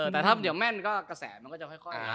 แต่ถ้าเดี๋ยวแม่นก็กระแสมันก็จะค่อย